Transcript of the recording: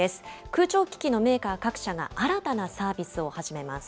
空調機器のメーカー各社が新たなサービスを始めます。